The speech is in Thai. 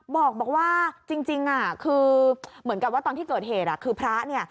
บอกว่าจริงคือเหมือนกับว่าตอนที่เกิดเหตุคือพระเนี่ย